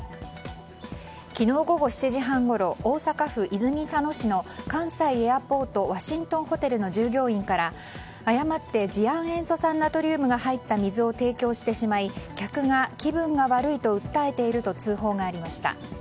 昨日午後７時半ごろ大阪府泉佐野市の関西エアポートワシントンホテルの従業員から誤って次亜塩素酸ナトリウムが入った水を提供してしまい客が気分が悪いと訴えていると通報がありました。